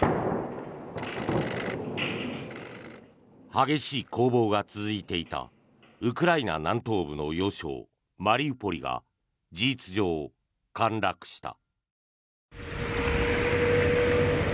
激しい攻防が続いていたウクライナ南東部の要衝マリウポリが事実上、陥落した。